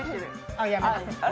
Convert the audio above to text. あっ、やめて。